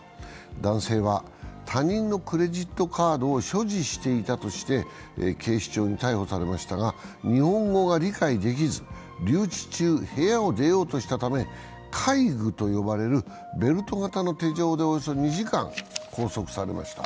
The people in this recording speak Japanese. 男性は他人のクレジットカードを所持していたとして警視庁に逮捕されましたが、日本語が理解できず留置中、部屋を出ようとしたため戒具と呼ばれるベルト型の手錠でおよそ２時間拘束されました。